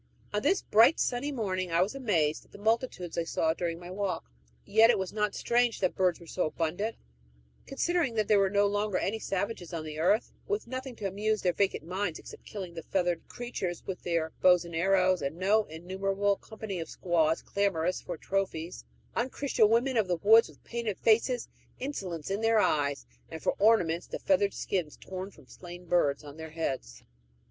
On this bright sunny morning I was amazed at the multitudes I saw during my walk: yet it was not strange that birds were so abundant, considering that there were no longer any savages on the earth, with nothing to amuse their vacant minds except killing the feathered creatures with their bows and arrows, and no innumerable company of squaws clamorous for trophies unchristian women of the woods with painted faces, insolence in their eyes, and for ornaments the feathered skins torn from slain birds on their heads.